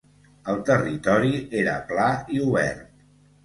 El territori era pla i obert.